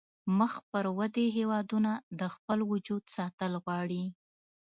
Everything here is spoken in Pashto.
مخ پر ودې هیوادونه د خپل وجود ساتل غواړي